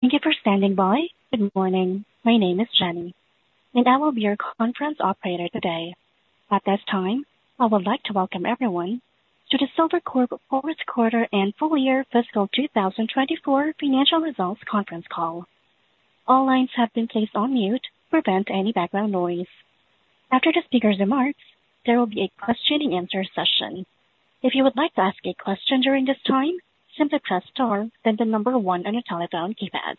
Thank you for standing by. Good morning. My name is Jenny, and I will be your conference operator today. At this time, I would like to welcome everyone to the Silvercorp Fourth Quarter and Full Year Fiscal 2024 Financial Results Conference Call. All lines have been placed on mute to prevent any background noise. After the speaker's remarks, there will be a question and answer session. If you would like to ask a question during this time, simply press star, then the number 1 on your telephone keypad.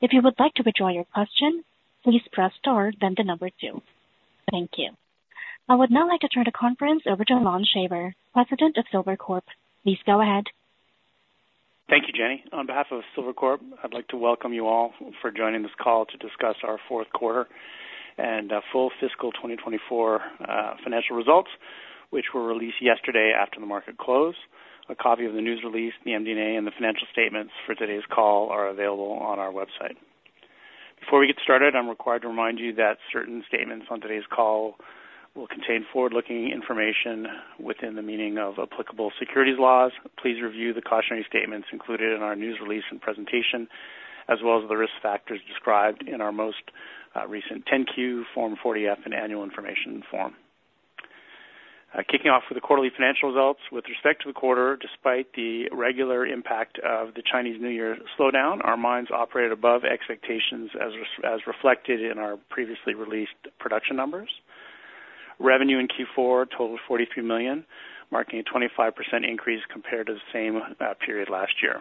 If you would like to withdraw your question, please press star, then the number two. Thank you. I would now like to turn the conference over to Lon Shaver, President of Silvercorp. Please go ahead. Thank you, Jenny. On behalf of Silvercorp, I'd like to welcome you all for joining this call to discuss our fourth quarter and full fiscal 2024 financial results, which were released yesterday after the market closed. A copy of the news release, the MD&A, and the financial statements for today's call are available on our website. Before we get started, I'm required to remind you that certain statements on today's call will contain forward-looking information within the meaning of applicable securities laws. Please review the cautionary statements included in our news release and presentation, as well as the risk factors described in our most recent 10-Q, Form 40-F, and Annual Information Form. Kicking off with the quarterly financial results, with respect to the quarter, despite the regular impact of the Chinese New Year slowdown, our mines operated above expectations as reflected in our previously released production numbers. Revenue in Q4 totaled $43 million, marking a 25% increase compared to the same period last year.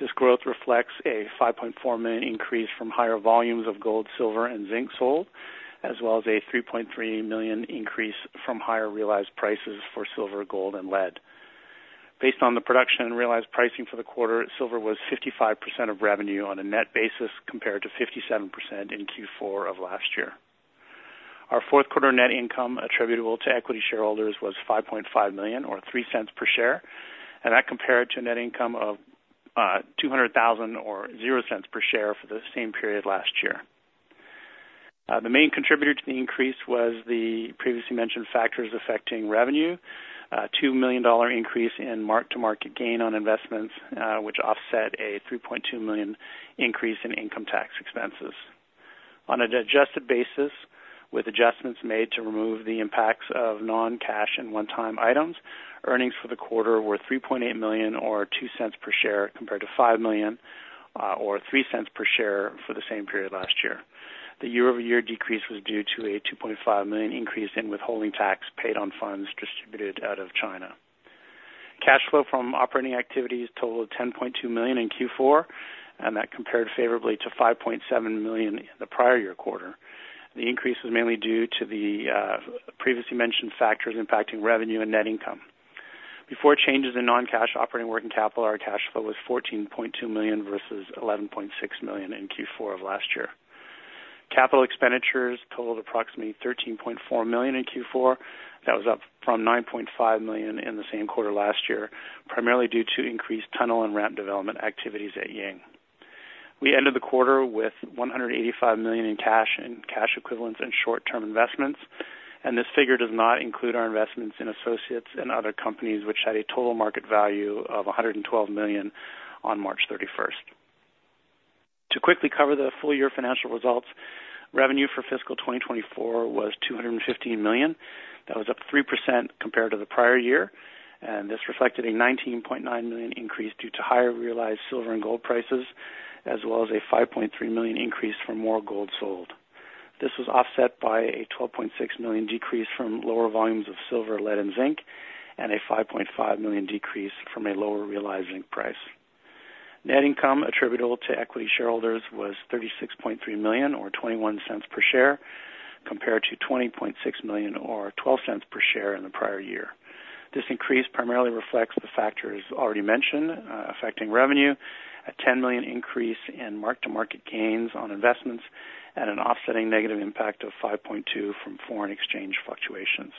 This growth reflects a $5.4 million increase from higher volumes of gold, silver, and zinc sold, as well as a $3.3 million increase from higher realized prices for silver, gold, and lead. Based on the production and realized pricing for the quarter, silver was 55% of revenue on a net basis, compared to 57% in Q4 of last year. Our fourth quarter net income attributable to equity shareholders was $5.5 million or $0.03 per share, and that compared to net income of $200,000 or $0.00 per share for the same period last year. The main contributor to the increase was the previously mentioned factors affecting revenue, a $2 million increase in mark-to-market gain on investments, which offset a $3.2 million increase in income tax expenses. On an adjusted basis, with adjustments made to remove the impacts of non-cash and one-time items, earnings for the quarter were $3.8 million or $0.02 per share, compared to $5 million or $0.03 per share for the same period last year. The year-over-year decrease was due to a $2.5 million increase in withholding tax paid on funds distributed out of China. Cash flow from operating activities totaled $10.2 million in Q4, and that compared favorably to $5.7 million the prior year quarter. The increase was mainly due to the previously mentioned factors impacting revenue and net income. Before changes in non-cash operating working capital, our cash flow was $14.2 million versus $11.6 million in Q4 of last year. Capital expenditures totaled approximately $13.4 million in Q4. That was up from $9.5 million in the same quarter last year, primarily due to increased tunnel and ramp development activities at Ying. We ended the quarter with $185 million in cash and cash equivalents and short-term investments, and this figure does not include our investments in associates and other companies, which had a total market value of $112 million on March 31st. To quickly cover the full year financial results, revenue for fiscal 2024 was $215 million. That was up 3% compared to the prior year, and this reflected a $19.9 million increase due to higher realized silver and gold prices, as well as a $5.3 million increase from more gold sold. This was offset by a $12.6 million decrease from lower volumes of silver, lead, and zinc, and a $5.5 million decrease from a lower realized zinc price. Net income attributable to equity shareholders was $36.3 million or $0.21 per share, compared to $20.6 million or $0.12 per share in the prior year. This increase primarily reflects the factors already mentioned, affecting revenue, a $10 million increase in mark-to-market gains on investments, and an offsetting negative impact of $5.2 million from foreign exchange fluctuations.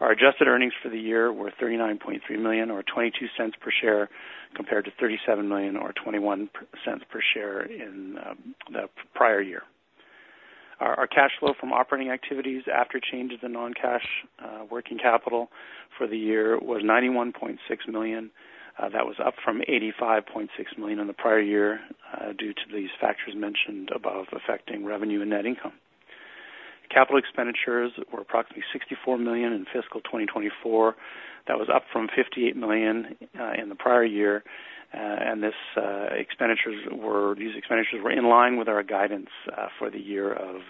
Our adjusted earnings for the year were $39.3 million or $0.22 per share, compared to $37 million or $0.21 per share in the prior year. Our cash flow from operating activities after changes in non-cash working capital for the year was $91.6 million. That was up from $85.6 million in the prior year, due to these factors mentioned above affecting revenue and net income. Capital expenditures were approximately $64 million in fiscal 2024. That was up from $58 million in the prior year. And these expenditures were in line with our guidance for the year of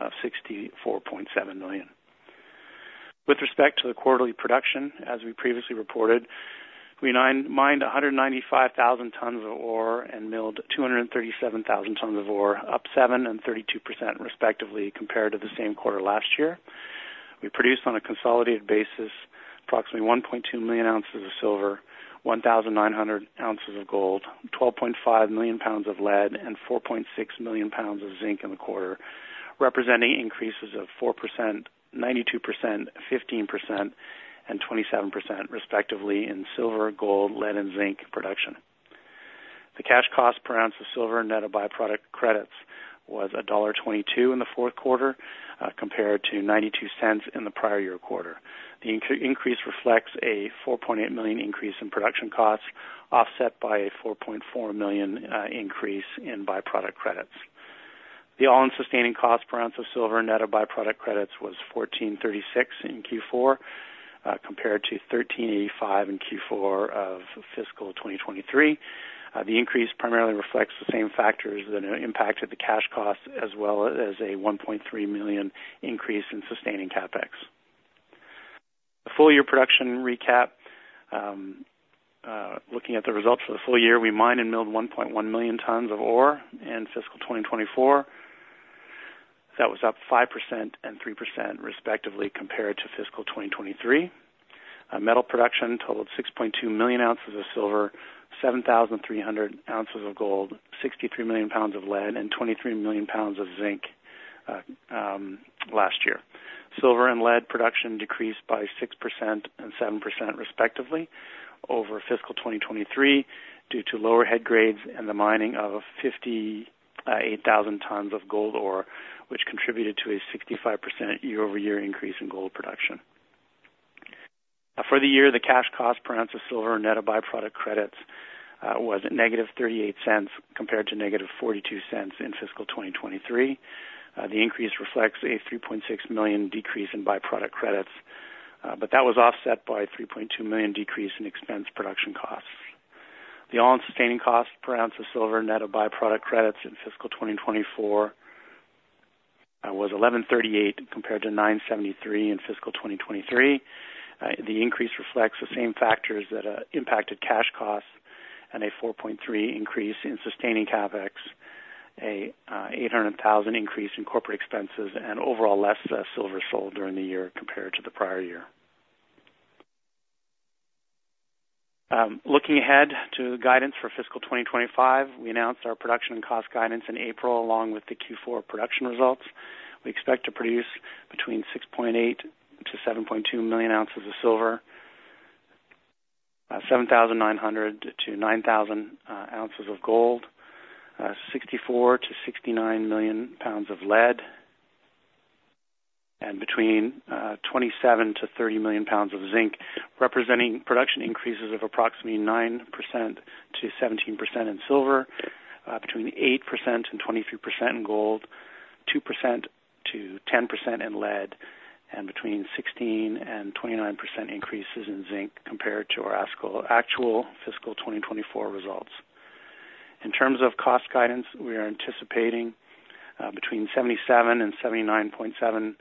$64.7 million. With respect to the quarterly production, as we previously reported, we mined 195,000 tons of ore and milled 237,000 tons of ore, up 7% and 32% respectively, compared to the same quarter last year. We produced, on a consolidated basis, approximately 1.2 million oz of silver, 1,900 oz of gold, 12.5 million lbs of lead, and 4.6 million lbs of zinc in the quarter, representing increases of 4%, 92%, 15%, and 27%, respectively, in silver, gold, lead, and zinc production. The cash cost per ounce of silver and net of byproduct credits. was $1.22 in the fourth quarter, compared to $0.92 in the prior year quarter. The increase reflects a $4.8 million increase in production costs, offset by a $4.4 million increase in byproduct credits. The all-in sustaining cost per ounce of silver, net of byproduct credits, was $1,436 in Q4, compared to $1,385 in Q4 of fiscal 2023. The increase primarily reflects the same factors that impacted the cash costs, as well as a $1.3 million increase in sustaining CapEx. The full year production recap, looking at the results for the full year, we mined and milled 1.1 million tons of ore in fiscal 2024. That was up 5% and 3% respectively, compared to fiscal 2023. Metal production totaled 6.2 million oz of silver, 7,300 oz of gold, 63 million lbs of lead, and 23 million lbs of zinc last year. Silver and lead production decreased by 6% and 7% respectively over fiscal 2023, due to lower head grades and the mining of 58,000 tons of gold ore, which contributed to a 65% year-over-year increase in gold production. For the year, the cash cost per ounce of silver, net of byproduct credits, was -$0.38, compared to -$0.42 in fiscal 2023. The increase reflects a $3.6 million decrease in byproduct credits, but that was offset by $3.2 million decrease in expense production costs. The all-in sustaining costs per ounce of silver, net of byproduct credits in fiscal 2024, was $1,138, compared to $973 in fiscal 2023. The increase reflects the same factors that impacted cash costs and a 4.3 increase in sustaining CapEx, a $800,000 increase in corporate expenses, and overall less silver sold during the year compared to the prior year. Looking ahead to the guidance for fiscal 2025, we announced our production and cost guidance in April, along with the Q4 production results. We expect to produce between 6.8-7.2 million oz of silver, 7,900-9,000 oz of gold, 64-69 million lbs of lead, and between 27-30 million lbs of zinc, representing production increases of approximately 9%-17% in silver, between 8%-23% in gold, 2%-10% in lead, and between 16%-29% increases in zinc compared to our actual fiscal 2024 results. In terms of cost guidance, we are anticipating between $77-$79.7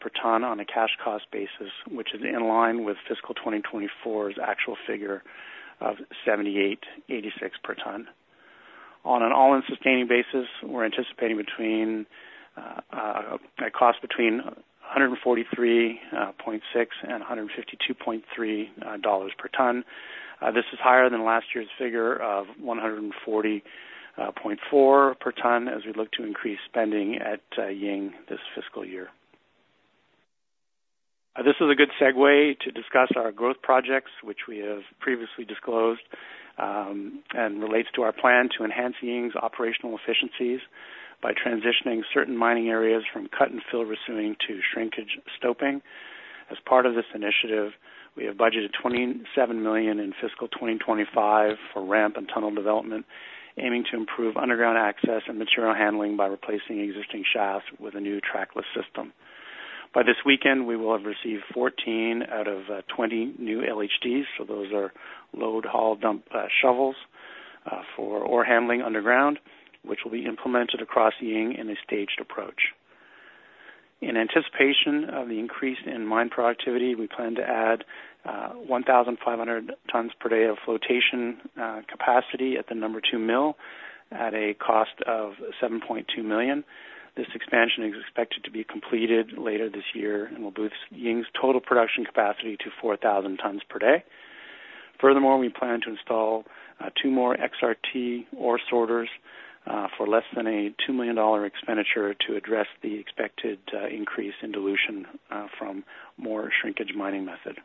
per ton on a cash cost basis, which is in line with fiscal 2024's actual figure of $78.86 per ton. On an all-in sustaining basis, we're anticipating between a cost between $143.6 and $152.3 per ton. This is higher than last year's figure of $140.4 per ton, as we look to increase spending at Ying this fiscal year. This is a good segue to discuss our growth projects, which we have previously disclosed, and relates to our plan to enhance Ying's operational efficiencies by transitioning certain mining areas from cut-and-fill mining to shrinkage stoping. As part of this initiative, we have budgeted $27 million in fiscal 2025 for ramp and tunnel development, aiming to improve underground access and material handling by replacing existing shafts with a new trackless system. By this weekend, we will have received 14 out of 20 new LHDs, so those are load, haul, dump shovels for ore handling underground, which will be implemented across Ying in a staged approach. In anticipation of the increase in mine productivity, we plan to add 1,500 tons per day of flotation capacity at the number 2 mill at a cost of $7.2 million. This expansion is expected to be completed later this year and will boost Ying's total production capacity to 4,000 tons per day. Furthermore, we plan to install 2 more XRT ore sorters for less than a $2 million dollar expenditure to address the expected increase in dilution from more shrinkage mining method.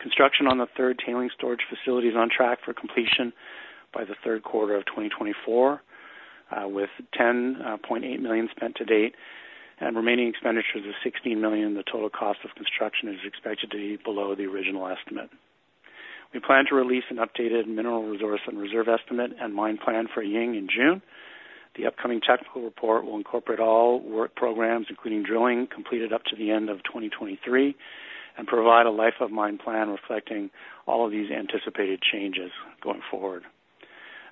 Construction on the third tailings storage facility is on track for completion by the third quarter of 2024, with $10.8 million spent to date and remaining expenditures of $16 million. The total cost of construction is expected to be below the original estimate. We plan to release an updated mineral resource and reserve estimate and mine plan for Ying in June. The upcoming technical report will incorporate all work programs, including drilling, completed up to the end of 2023, and provide a life of mine plan reflecting all of these anticipated changes going forward.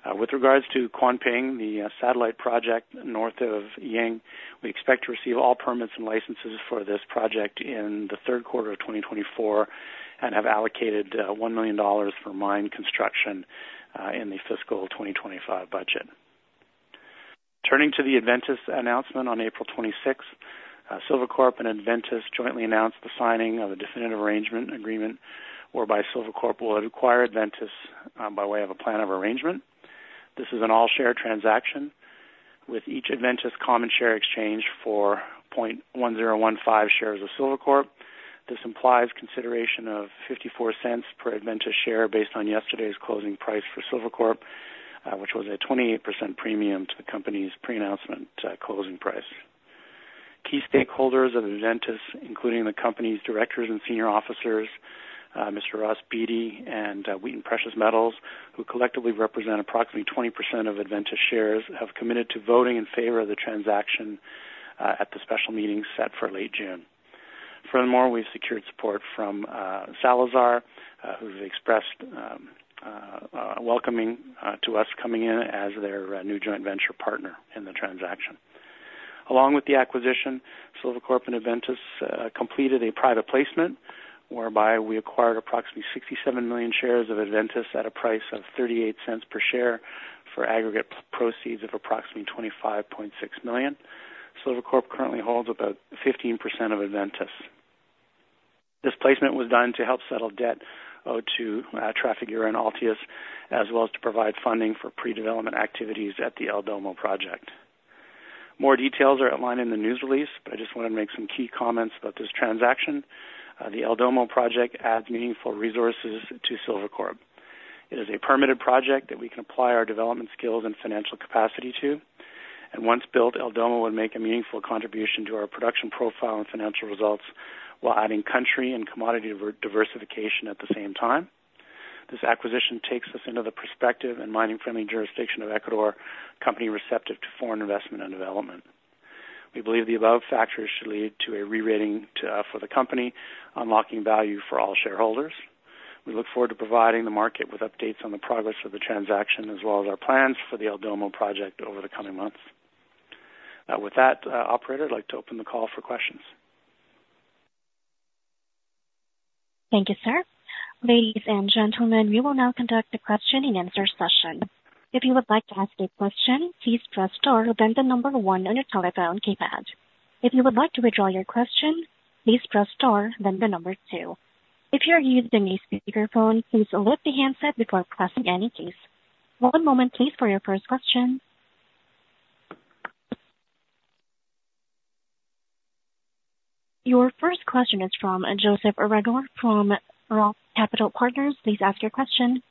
With regards to Kuanping, the satellite project north of Ying, we expect to receive all permits and licenses for this project in the third quarter of 2024 and have allocated $1 million for mine construction in the fiscal 2025 budget. Turning to the Adventus announcement on April 26th, Silvercorp and Adventus jointly announced the signing of a definitive arrangement agreement, whereby Silvercorp will acquire Adventus by way of a plan of arrangement. This is an all-share transaction, with each Adventus common share exchanged for 0.1015 shares of Silvercorp. This implies consideration of $0.54 per Adventus share based on yesterday's closing price for Silvercorp, which was a 28% premium to the company's pre-announcement closing price. Key stakeholders of Adventus, including the company's directors and senior officers, Mr. Ross Beaty and Wheaton Precious Metals, who collectively represent approximately 20% of Adventus shares, have committed to voting in favor of the transaction at the special meeting set for late June. Furthermore, we've secured support from Salazar, who has expressed welcoming to us coming in as their new joint venture partner in the transaction. Along with the acquisition, Silvercorp and Adventus completed a private placement, whereby we acquired approximately 67 million shares of Adventus at a price of $0.38 per share for aggregate proceeds of approximately $25.6 million. Silvercorp currently holds about 15% of Adventus. This placement was done to help settle debt owed to Trafigura and Altius, as well as to provide funding for pre-development activities at the El Domo Project. More details are outlined in the news release, but I just wanted to make some key comments about this transaction. The El Domo Project adds meaningful resources to Silvercorp. It is a permitted project that we can apply our development skills and financial capacity to, and once built, El Domo would make a meaningful contribution to our production profile and financial results, while adding country and commodity diversification at the same time. This acquisition takes us into the prospective and mining-friendly jurisdiction of Ecuador, a country receptive to foreign investment and development. We believe the above factors should lead to a re-rating for the company, unlocking value for all shareholders. We look forward to providing the market with updates on the progress of the transaction, as well as our plans for the El Domo Project over the coming months. With that, operator, I'd like to open the call for questions. Thank you, sir. Ladies and gentlemen, we will now conduct a question-and-answer session. If you would like to ask a question, please press star, then the number one on your telephone keypad. If you would like to withdraw your question, please press star, then the number two. If you are using a speakerphone, please lift the handset before pressing any keys. One moment, please, for your first question. Your first question is from Joseph Reagor from ROTH Capital Partners. Please ask your question.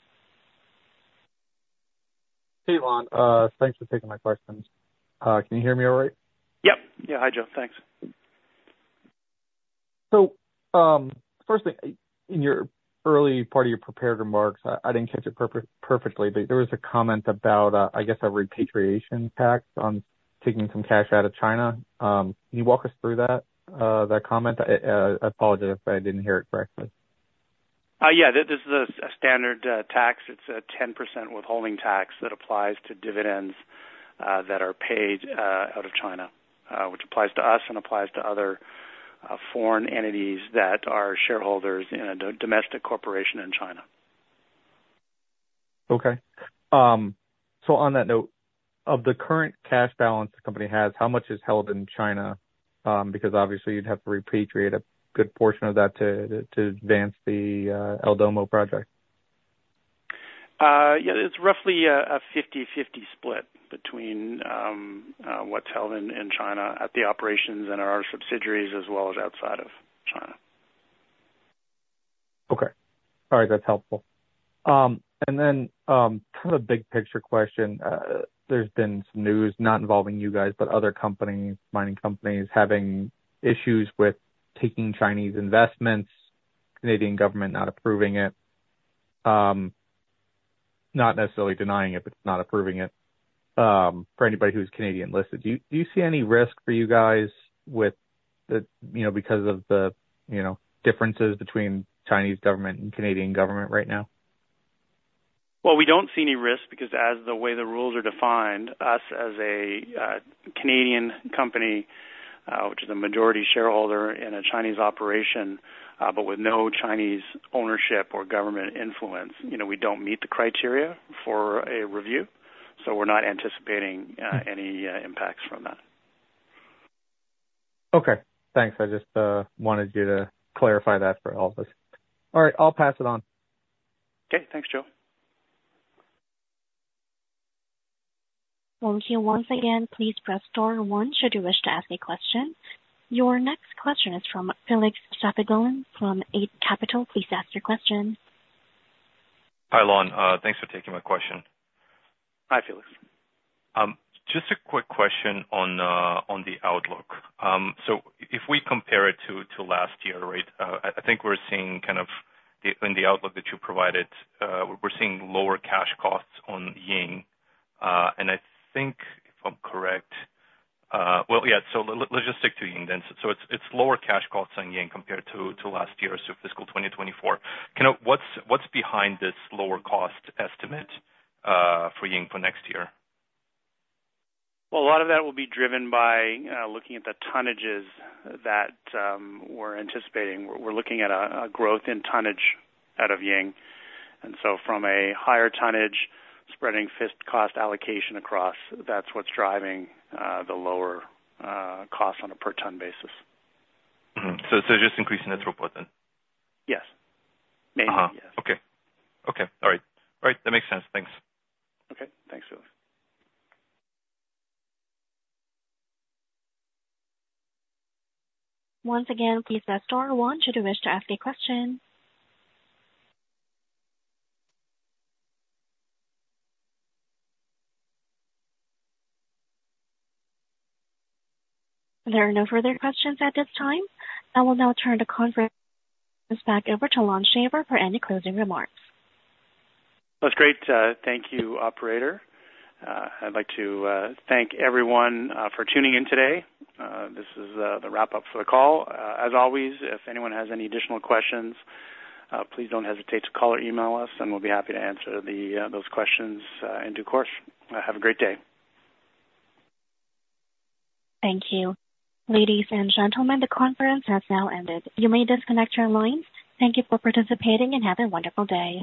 Hey, Lon. Thanks for taking my questions. Can you hear me all right? Yep. Yeah. Hi, Joe. Thanks. So, first thing, in your early part of your prepared remarks, I didn't catch it perfectly, but there was a comment about, I guess, a repatriation tax on taking some cash out of China. Can you walk us through that, that comment? I apologize if I didn't hear it correctly. Yeah, this is a standard tax. It's a 10% withholding tax that applies to dividends that are paid out of China, which applies to us and applies to other foreign entities that are shareholders in a domestic corporation in China. Okay. So on that note, of the current cash balance the company has, how much is held in China? Because obviously you'd have to repatriate a good portion of that to advance the El Domo Project. Yeah, it's roughly a 50/50 split between what's held in China, at the operations and our subsidiaries, as well as outside of China. Okay. All right. That's helpful. And then, kind of a big picture question. There's been some news, not involving you guys, but other companies, mining companies, having issues with taking Chinese investments, Canadian government not approving it. Not necessarily denying it, but not approving it, for anybody who's Canadian listed. Do you, do you see any risk for you guys with the... You know, because of the, you know, differences between Chinese government and Canadian government right now? Well, we don't see any risk because as the way the rules are defined, us as a Canadian company, which is a majority shareholder in a Chinese operation, but with no Chinese ownership or government influence, you know, we don't meet the criteria for a review, so we're not anticipating any impacts from that. Okay. Thanks. I just wanted you to clarify that for all of us. All right, I'll pass it on. Okay. Thanks, Joe. Thank you. Once again, please press star one should you wish to ask a question. Your next question is from Felix Shafigullin from Eight Capital. Please ask your question. Hi, Lon. Thanks for taking my question. Hi, Felix. Just a quick question on the outlook. So if we compare it to last year, right, I think we're seeing kind of the, in the outlook that you provided, we're seeing lower cash costs on Ying, and I think, if I'm correct... Well, yeah, so let's just stick to Ying then. So it's lower cash costs on Ying compared to last year, so fiscal 2024. Kind of what's behind this lower cost estimate for Ying for next year? Well, a lot of that will be driven by looking at the tonnages that we're anticipating. We're looking at a growth in tonnage out of Ying, and so from a higher tonnage, spreading fixed cost allocation across, that's what's driving the lower cost on a per ton basis. Mm-hmm. So, so just increasing the throughput then? Yes. Uh-huh. Yes. Okay. Okay, all right. All right, that makes sense. Thanks. Okay, thanks, Felix. Once again, please press star one should you wish to ask a question. There are no further questions at this time. I will now turn the conference back over to Lon Shaver for any closing remarks. Well, that's great. Thank you, operator. I'd like to thank everyone for tuning in today. This is the wrap-up for the call. As always, if anyone has any additional questions, please don't hesitate to call or email us, and we'll be happy to answer those questions in due course. Have a great day. Thank you. Ladies and gentlemen, the conference has now ended. You may disconnect your lines. Thank you for participating, and have a wonderful day.